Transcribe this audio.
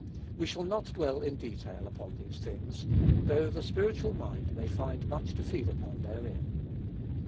We shall not dwell in detail upon these things, though the spiritual mind may find much to feed upon therein.